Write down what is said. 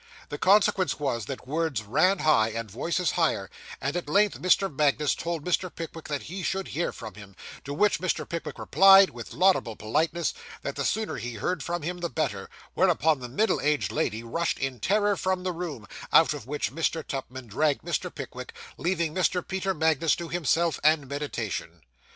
The consequence was, that words ran high, and voices higher; and at length Mr. Magnus told Mr. Pickwick he should hear from him; to which Mr. Pickwick replied, with laudable politeness, that the sooner he heard from him the better; whereupon the middle aged lady rushed in terror from the room, out of which Mr. Tupman dragged Mr. Pickwick, leaving Mr. Peter Magnus to himself and meditation.